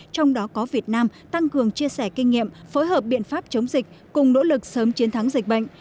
trong đó có việt nam tăng cường chia sẻ kinh nghiệm phối hợp biện pháp chống dịch cùng nỗ lực sớm chiến thắng dịch bệnh